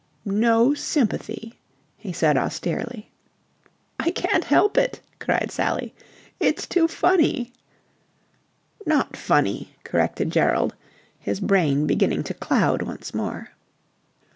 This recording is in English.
"No sympathy," he said austerely. "I can't help it," cried Sally. "It's too funny." "Not funny," corrected Gerald, his brain beginning to cloud once more.